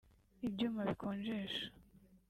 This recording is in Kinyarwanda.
ibyuma bikonjesha